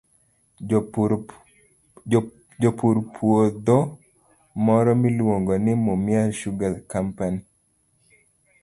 Japur puodho moro miluongo ni Mumias Sugar Company,